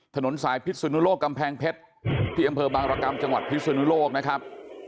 ถนนสายพิศนุโลกกำแพงเพชรที่อำเภอบางรกรรมจังหวัดพิศนุโลกนะครับ